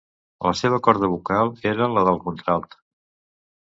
La seva corda vocal era la de contralt.